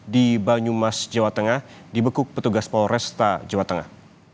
di banyumas jawa tengah dibekuk petugas polresta jawa tengah